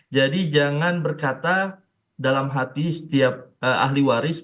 jadi jangan berkata dalam hati setiap ahli waris